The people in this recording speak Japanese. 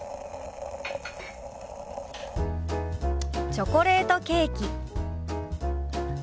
「チョコレートケーキ」。